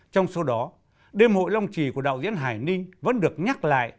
trong số đó đêm hội long trì của đạo diễn hải ninh vẫn được nhắc lại